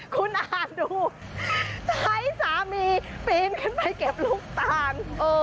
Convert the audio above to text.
คุณอ่านดูใช้สามีปีนขึ้นไปเก็บลูกตาล